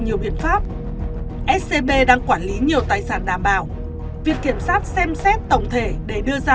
nhiều biện pháp scb đang quản lý nhiều tài sản đảm bảo việc kiểm soát xem xét tổng thể để đưa ra